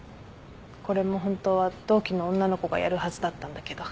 これも本当は同期の女の子がやるはずだったんだけど。